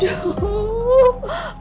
tapi lo tak tahu